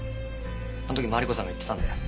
あの時マリコさんが言ってたんだよ。